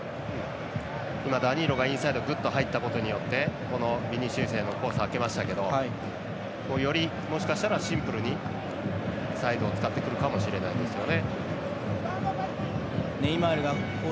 ダニーロがインサイドグッと入ったことによって右サイドのコースが空きましたけどよりシンプルにサイドを使ってくるかもしれないですね。